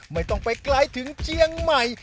ไม่ต้องไปไกลถึงเจียงใหม่